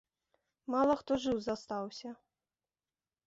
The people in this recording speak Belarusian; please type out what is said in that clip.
Мала хто жыў застаўся.